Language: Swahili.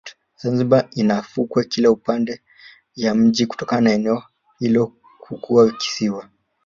zanzibar ina fukwe Kila pande ya mji kutokana na eneo hilo kuwa kisiwa